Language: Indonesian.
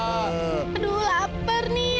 aduh lapar nih